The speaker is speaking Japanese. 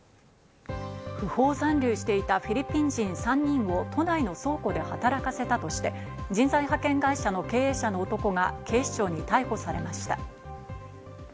不法残留していたフィリピン人３人を都内の倉庫で働かせたとして、人材派遣会社の経営者の男が警視庁に逮捕されました。